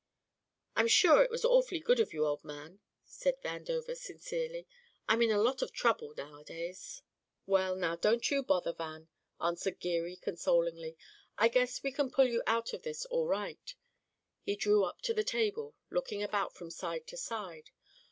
"I'm sure it was awfully good of you, old man," said Vandover sincerely. "I'm in a lot of trouble nowadays!" "Well, now don't you bother, Van," answered Geary consolingly. "I guess we can pull you out of this all right." He drew up to the table, looking about from side to side.